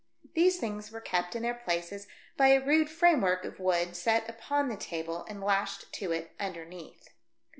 These things were kept in their places by a rude framework of wood set upon the table and lashed to it underneath.